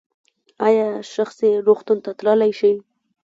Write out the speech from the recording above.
ایا شخصي روغتون ته تللی شئ؟